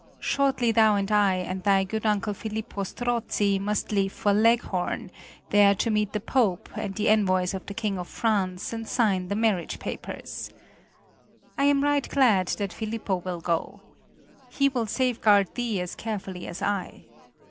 Shortly thou and I and thy good uncle Filippo Strozzi must leave for Leghorn, there to meet the Pope and the envoys of the King of France, and sign the marriage papers. I am right glad that Filippo will go. He will safeguard thee as carefully as I.